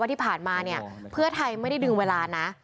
ที่ผ่านมาเนี่ยเพื่อไทยไม่ได้ดึงเวลานะ